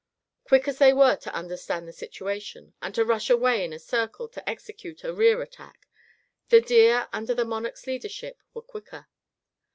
Quick as they were to understand the situation, and to rush away in a circle to execute a rear attack, the deer, under the monarch's leadership, were quicker.